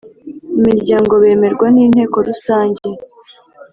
imiryango bemerwa n Inteko Rusange